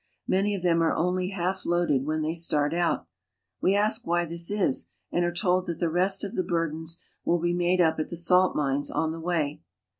Many of them are only half loaded kilrhen they start out. We ask why this is, and are told that s rest of the burdens will be made up at the salt mines 1 the way.